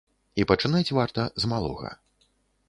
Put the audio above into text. І пачынаць варта з малога.